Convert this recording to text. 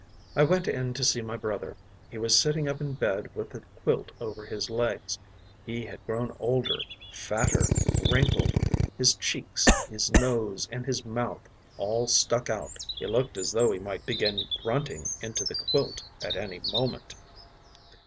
I went in to see my brother. He was sitting up in bed with a quilt over his legs; he had grown older, fatter, wrinkled; his cheeks, his nose, and his mouth all stuck out he looked as though he might begin grunting into the quilt at any moment.